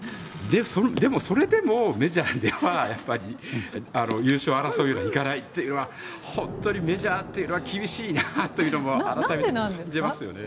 それでもメジャーでは優勝争いにはいかないというのは本当にメジャーというのは厳しいなというのも改めて感じますよね。